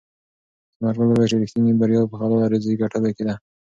ثمرګل وویل چې ریښتینې بریا په حلاله روزي ګټلو کې ده.